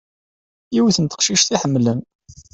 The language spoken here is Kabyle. Yiwet n teqcict ay ḥemmlen.